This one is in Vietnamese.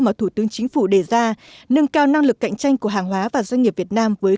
mà thủ tướng chính phủ đề ra nâng cao năng lực cạnh tranh của hàng hóa và doanh nghiệp việt nam với